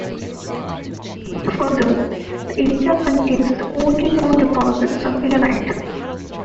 Further, the area contains the only known deposits of llanite.